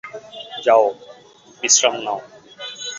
যাও, বিশ্রাম নাও।